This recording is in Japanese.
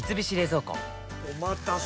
おまたせ！